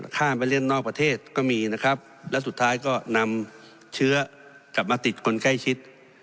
ข้ามไปเล่นนอกประเทศก็มีนะครับและสุดท้ายก็นำเชื้อกลับมาติดคนใกล้ชิด